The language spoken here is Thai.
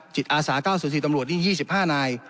อาสา๙๐๔ตำรวจนี่๒๕นาย